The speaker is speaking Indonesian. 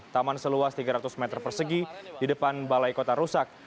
taman seluas tiga ratus meter persegi di depan balai kota rusak